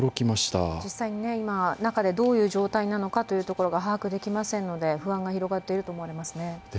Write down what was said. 実際にね、今、中で今どういう状態なのか把握できませんので不安が広がっていると思われますね。